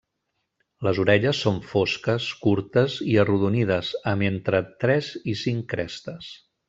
Les orelles són fosques, curtes i arrodonides, amb entre tres i cinc crestes.